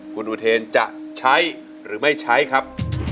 คุณอุเทนจะใช้หรือไม่ใช้ครับ